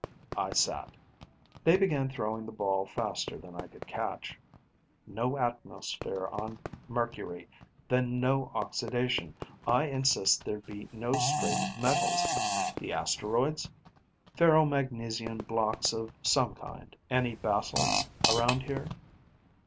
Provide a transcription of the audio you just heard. I sat. They began throwing the ball faster than I could catch: "No atmosphere on Mercury, then no oxidation; I insist there'd be no straight metals.... The asteroids? Ferromagnesian blocks of some kind any basalts around here?...